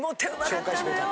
紹介してくれた。